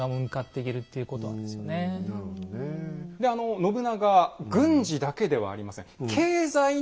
信長軍事だけではありません。